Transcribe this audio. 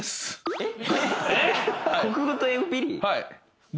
えっ！？